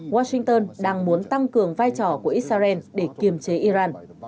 washington đang muốn tăng cường vai trò của israel để kiềm chế iran